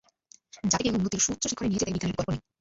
জাতিকে উন্নতির সুউচ্চ শিখরে নিয়ে যেতে বিজ্ঞানের বিকল্প নেই।